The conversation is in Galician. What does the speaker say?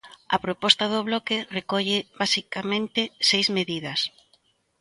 A proposta do Bloque recolle basicamente seis medidas.